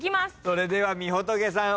それではみほとけさん